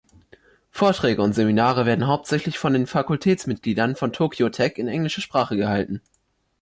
Vorträge und Seminare werden hauptsächlich von den Fakultätsmitgliedern von Tokyo Tech in englischer Sprache gehalten.